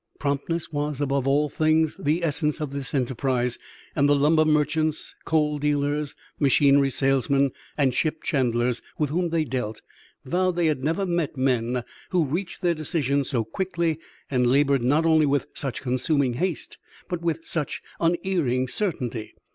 Promptness was, above all things, the essence of this enterprise, and the lumber merchants, coal dealers, machinery salesmen, and ship chandlers with whom they dealt vowed they never had met men who reached their decisions so quickly and labored not only with such consuming haste, but with such unerring certainty.